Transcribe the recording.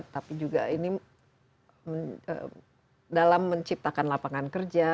tapi juga ini dalam menciptakan lapangan kerja